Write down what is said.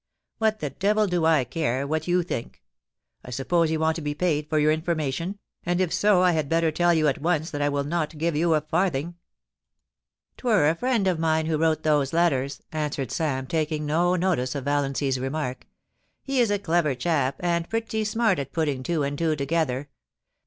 * What the devil do I care what you think ? I suppose you want to be paid for your information, and if so I had better tell you at once that I will not give you a farthing.' ' 'Twur a friend of mine who wrote those letters,' answered Sam, taking no notice of Valiancy's remark. * He is a clever chap, and pretty smart at putting two and two to gether.